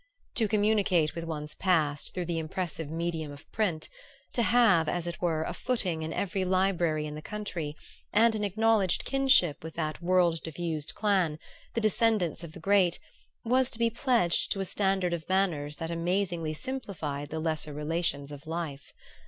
To communicate with one's past through the impressive medium of print, to have, as it were, a footing in every library in the country, and an acknowledged kinship with that world diffused clan, the descendants of the great, was to be pledged to a standard of manners that amazingly simplified the lesser relations of life.